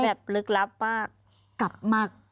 หาแบบลึกลับมาก